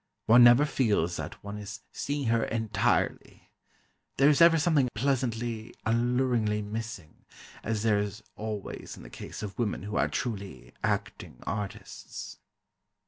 One never feels that one is seeing her entirely. There is ever something pleasantly, alluringly missing, as there is always in the case of women who are truly "acting artists."